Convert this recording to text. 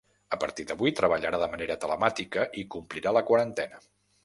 A partir d’avui treballarà de manera telemàtica i complirà la quarantena.